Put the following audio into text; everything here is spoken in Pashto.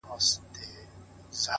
خدايه هغه زما د کور په لار سفر نه کوي!!